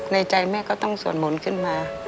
ในใจแม่ก็ต้องสวดมนต์ขึ้นมา